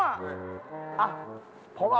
อะไรไม่ใช่